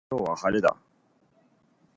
今日は晴れだ。